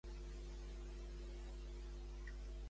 Quin d'ells s'alia amb l'adversària de Merlí?